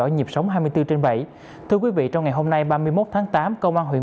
nhịp sống hai mươi bốn trên bảy